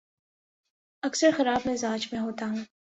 اکثر خراب مزاج میں ہوتا ہوں